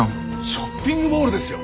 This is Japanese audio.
ショッピングモールですよ。